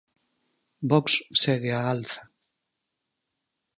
Vox segue á alza.